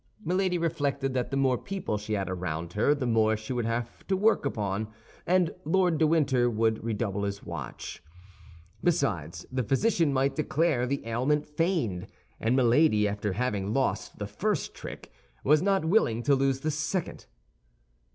Milady reflected that the more people she had around her the more she would have to work upon, and Lord de Winter would redouble his watch. Besides, the physician might declare the ailment feigned; and Milady, after having lost the first trick, was not willing to lose the second.